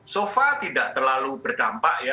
so far tidak terlalu berdampak ya